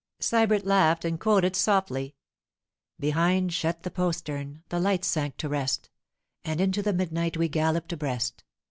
Sybert laughed and quoted softly:— 'Behind shut the postern, the lights sank to rest, And into the midnight we galloped abreast.